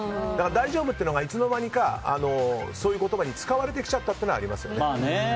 大丈夫っていうのがいつの間にか、そういう言葉に使われてきちゃったというのはありますよね。